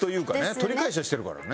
取り返しはしてるからね。